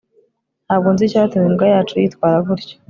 Ntabwo nzi icyatuma imbwa yacu yitwara gutya